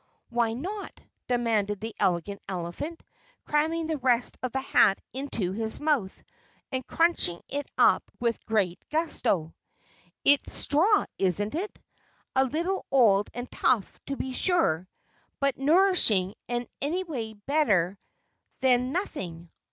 "Why not?" demanded the Elegant Elephant, cramming the rest of the hat into his mouth and crunching it up with great gusto. "It's straw, isn't it? A little old and tough, to be sure, but nourishing, and anyway better than nothing!"